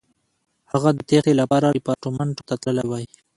هغه د تېښتې لپاره ریپارټیمنټو ته تللی وای.